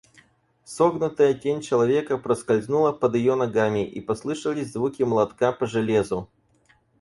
Согнутая тень человека проскользнула под ее ногами, и послышались звуки молотка по железу.